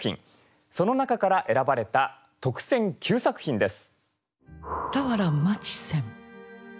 その中から選ばれた特選９作品です。